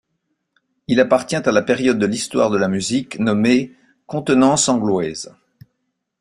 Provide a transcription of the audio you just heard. Il appartient à la période de l'histoire de la musique nommée contenance angloise.